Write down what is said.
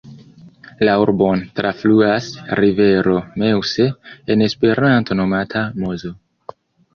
La urbon trafluas rivero Meuse, en Esperanto nomata Mozo.